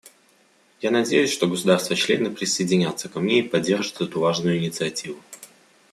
Я надеюсь, что государства-члены присоединятся ко мне и поддержат эту важную инициативу.